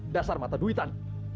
dasar mata duitan